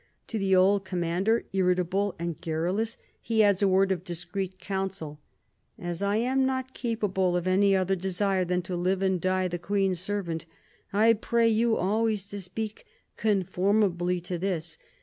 To the old Commander, irritable and garrulous, he adds a word of discreet counsel. " As I am not capable of any other desire than to live and die the Queen's servant, I pray you always to speak conformably to this.